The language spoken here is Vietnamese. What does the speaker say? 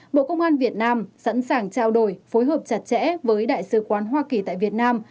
bộ công an việt nam sẵn sàng trao đổi phối hợp chặt chẽ với đại sứ quán hoa kỳ tại việt nam